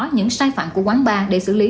những sai phạm của quán bar để xử lý